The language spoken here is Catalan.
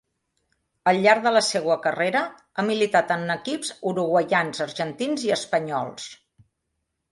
Al llarg de la seua carrera, ha militat en equips uruguaians, argentins i espanyols.